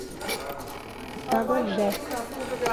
Itaguajé